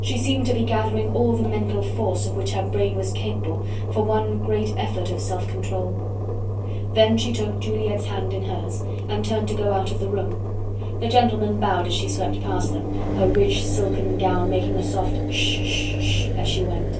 She seemed to be gathering all the mental force of which her brain was capable, for one great effort of self control. Then she took Juliette's hand in hers, and turned to go out of the room; the gentlemen bowed as she swept past them, her rich silken gown making a soft hush sh sh as she went.